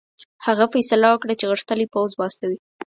هغه فیصله وکړه چې غښتلی پوځ واستوي.